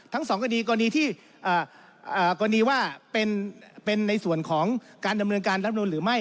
๒กรณีกรณีที่กรณีว่าเป็นในส่วนของการดำเนินการรับนูลหรือไม่